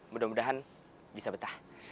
mudah mudahan bisa betah